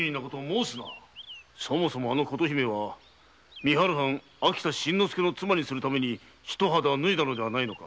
そもそも琴姫は三春藩・秋田伸之介の妻にするために一肌脱いだのではないのか。